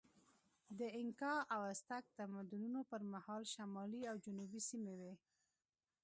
د اینکا او ازتک تمدنونو پر مهال شمالي او جنوبي سیمې وې.